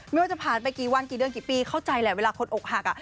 ไม่ว่าจะผ่านไปกี่วันกี่เดือนกี่ปีเข้าใจแหละเวลาคนอกหัก